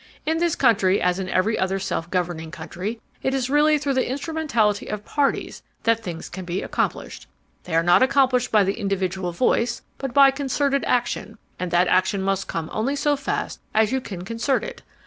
In this country, as in every other self governing country, it is really through the instrumentality of parties that things can be accomplished. They are not accomplished by the individual voice but by concerted action, and that action must come only so fast as you can concert it.